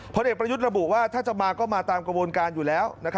เด็กประยุทธ์ระบุว่าถ้าจะมาก็มาตามกระบวนการอยู่แล้ว